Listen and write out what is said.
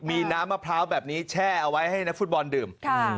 มีน้ำมะพร้าวแบบนี้แช่เอาไว้ให้นักฟุตบอลดื่ม